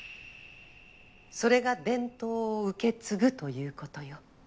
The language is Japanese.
それが伝統を受け継ぐということよ。